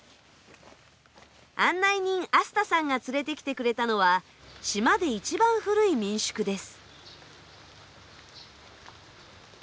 案内人アスタさんが連れてきてくれたのは島で一番古い民宿です。